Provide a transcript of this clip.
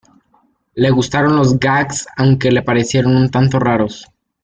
Le gustaron los gags aunque le parecieron un tanto raros.